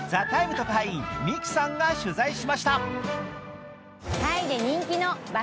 特派員ＭＩＫＩさんが取材しました。